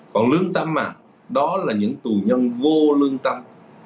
còn lương tâm mà đó là những tù nhân vô lương tâm